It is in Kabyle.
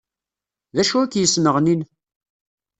D acu i k-yesneɣnin?